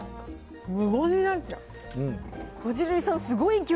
すごい。